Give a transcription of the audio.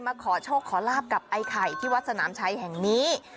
ขอโชคขอลาบกับไอ้ไข่ที่วัดสนามชัยแห่งนี้